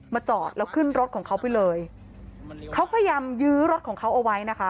จอดแล้วขึ้นรถของเขาไปเลยเขาพยายามยื้อรถของเขาเอาไว้นะคะ